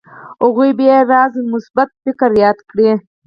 هغوی به يې راز مثبت فکر ياد کړي.